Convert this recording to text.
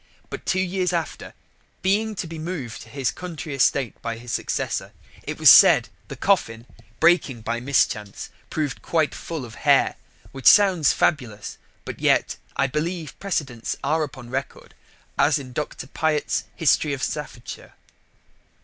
But two years after, being to be moved to his country estate by his successor, it was said the coffin, breaking by mischance, proved quite full of Hair: which sounds fabulous, but yet I believe precedents are upon record, as in Dr. Plot's History of Staffordshire.